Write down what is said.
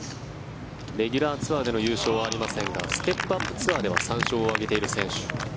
レギュラーツアーでの優勝はありませんがステップ・アップ・ツアーでは３勝を挙げている選手。